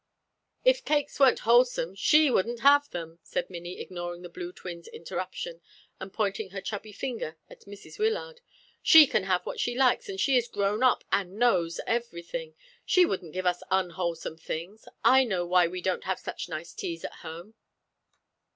"If cakes weren't wholesome she wouldn't have them," said Minnie, ignoring the blue twin's interruption, and pointing her chubby finger at Mrs. Wyllard. "She can have what she likes, and she is grown up and knows everything. She wouldn't give us unwholesome things. I know why we don't have such nice teas at home."